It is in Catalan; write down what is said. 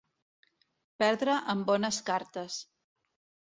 Perdre amb bones cartes.